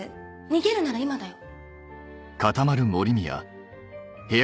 逃げるなら今だよ？